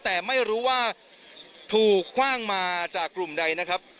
แต่ไม่รู้ว่าถูกคว่างมาจากกลุ่มใดนะครับ